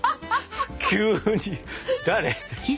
急に誰？